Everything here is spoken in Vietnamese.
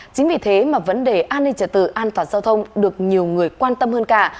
chính vì thế mà vấn đề an ninh trả tự an toàn giao thông được nhiều người quan tâm hơn cả